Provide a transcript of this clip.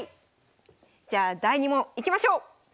じゃあ第２問いきましょう！